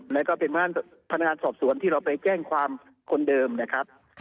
แล้วก็เป็นพนักงานสอบสวนที่เราไปแจ้งความคนเดิมนะครับ